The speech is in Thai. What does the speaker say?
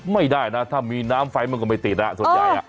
ไม่ได้นะถ้ามีน้ำไฟมันก็ไม่ติดส่วนใหญ่